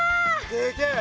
でけえ。